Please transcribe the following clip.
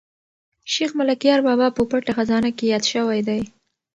شیخ ملکیار بابا په پټه خزانه کې یاد شوی دی.